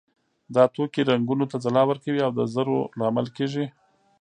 دا توکي رنګونو ته ځلا ورکوي او د زرو لامل کیږي.